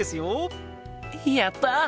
やった！